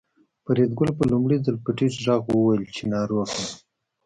فریدګل په لومړي ځل په ټیټ غږ وویل چې ناروغ یم